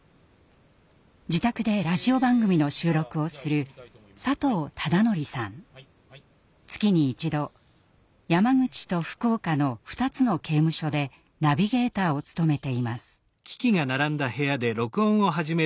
自宅でラジオ番組の収録をする月に一度山口と福岡の２つの刑務所でナビゲーターを務めています。